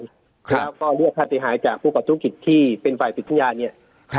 แล้วก็เรียกภาษาเสียหายจากผู้ก่อศุกร์กิจที่เป็นฝ่ายศึกษณาเนี่ย